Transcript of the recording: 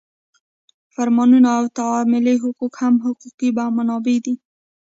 فرمانونه او تعاملي حقوق هم حقوقي منابع دي.